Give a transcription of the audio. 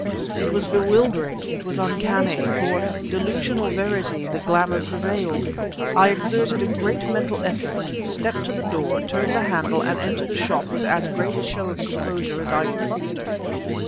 It was bewildering it was uncanny; for, delusion or verity, the glamour prevailed. I exerted a great mental effort, stepped to the door, turned the handle, and entered the shop with as great a show of composure as I could muster.